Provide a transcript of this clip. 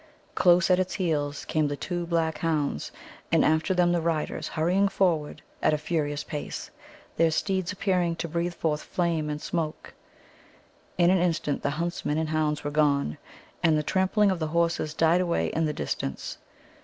Close at its heels came the two black hounds, and after them the riders hurrying forward at a furious pace, their steeds appearing to breathe forth flame and smoke. In an instant the huntsmen and hounds were gone, and the trampling of the horses died away in the distance.